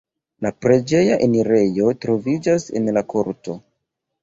La preĝeja enirejo troviĝas en la korto.